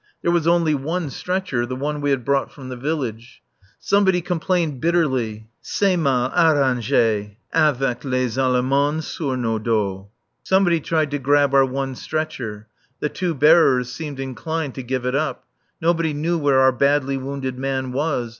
There was only one stretcher, the one we had brought from the village. Somebody complained bitterly: "C'est mal arrangé. Avec les Allemands sur nos dos!" Somebody tried to grab our one stretcher. The two bearers seemed inclined to give it up. Nobody knew where our badly wounded man was.